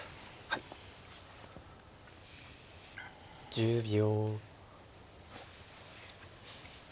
１０秒。